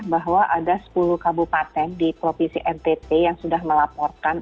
bahwa ada sepuluh kabupaten di provinsi ntt yang sudah melaporkan